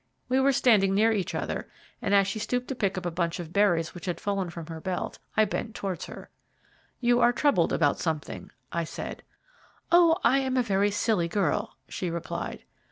We were standing near each other, and as she stooped to pick up a bunch of berries which had fallen from her belt, I bent towards her. "You are troubled about something," I said. "Oh, I am a very silly girl," she replied.